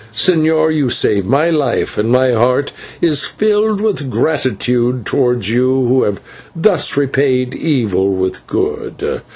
Señor, you saved my life, and my heart is filled with gratitude towards you, who have thus repaid evil with good.